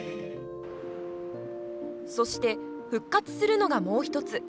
そして、復活するのがもう１つ。